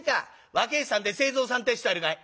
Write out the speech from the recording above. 「若え衆さんで清蔵さんってえ人はいるかい？」。